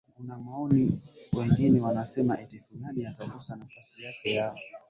kuna maoni wengine wanasema eti fulani atakosa nafasi yake ya